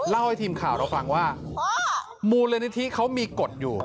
เล่าให้ทีมข่าวเราฟังว่ามูลนิธิเขามีกฎอยู่